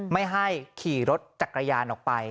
ไม่ให้ขี่รถจักรยานออกไป